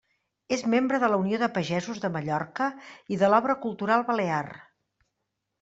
És membre de la Unió de Pagesos de Mallorca i de l'Obra Cultural Balear.